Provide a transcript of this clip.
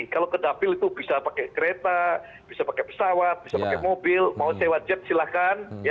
kalau ke dapil itu bisa pakai kereta bisa pakai pesawat bisa pakai mobil mau sewa jet silahkan